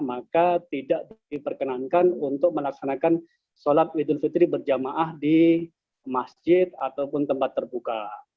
maka tidak diperkenankan untuk melaksanakan sholat idul fitri berjamaah di masjid ataupun tempat terbuka